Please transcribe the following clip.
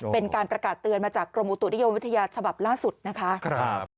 เป็นการประกาศเตือนมาจากกรมอุตุนิยมวิทยาฉบับล่าสุดนะคะ